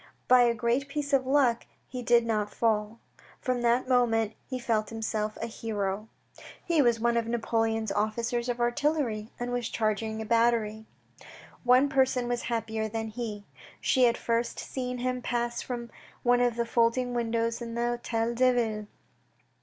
By a great piece of luck he did not fall ; from that moment he felt himself a hero. He was one of Napoleon's officers of artillery, and was charging a battery. One person was happier than he. She had first seen him pass from one of the folding windows in the Htel deVille.